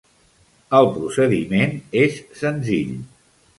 El procediment és senzill.